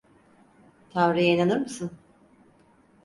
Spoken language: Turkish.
Tanrı'ya inanır mısın?